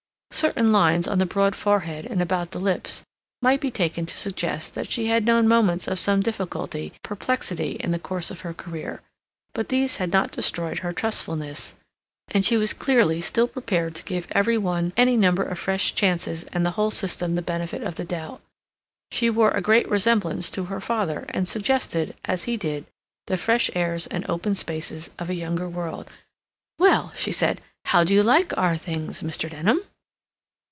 Certain lines on the broad forehead and about the lips might be taken to suggest that she had known moments of some difficulty and perplexity in the course of her career, but these had not destroyed her trustfulness, and she was clearly still prepared to give every one any number of fresh chances and the whole system the benefit of the doubt. She wore a great resemblance to her father, and suggested, as he did, the fresh airs and open spaces of a younger world. "Well," she said, "how do you like our things, Mr. Denham?"